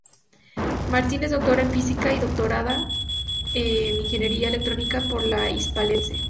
Martín es doctora en Física y doctorada en Ingeniería Electrónica por la Hispalense.